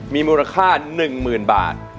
มีมูลค่า๑หมื่นบาท